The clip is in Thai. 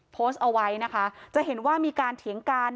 โพสต์เอาไว้นะคะจะเห็นว่ามีการเถียงกัน